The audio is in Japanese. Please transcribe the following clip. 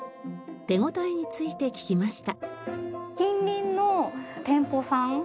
手応えについて聞きました。